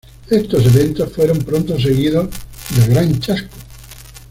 Estos eventos fueron pronto seguidos del Gran Chasco.